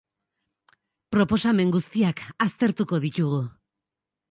Proposamen guztiak aztertuko ditugu.